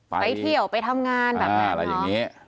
ไปเที่ยวไปทำงานแบบนั้น